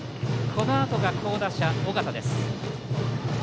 このあとが好打者、緒方。